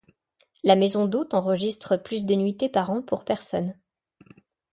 La maison d'hôtes enregistre plus de nuitées par an pour personnes.